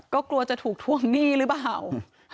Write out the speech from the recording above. ก็กลัวจะถูกทวงหนี้หรือเปล่า